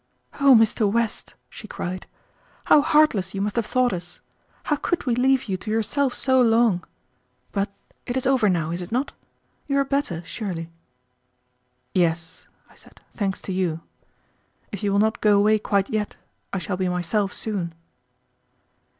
"Oh, Mr. West!" she cried. "How heartless you must have thought us! How could we leave you to yourself so long! But it is over now, is it not? You are better, surely." "Yes," I said, "thanks to you. If you will not go away quite yet, I shall be myself soon."